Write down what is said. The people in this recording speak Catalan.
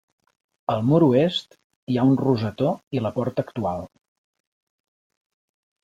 Al mur oest hi ha un rosetó i la porta actual.